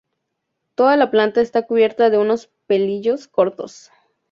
Toda la planta está cubierta de unos pelillos cortos.